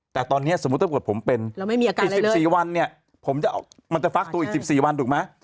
แต่ตอนนี้สมมุติถ้าเกิดผมเป็นอีก๑๔วันเนี่ยผมมันจะฟักตัวอีก๑๔วันถูกไหม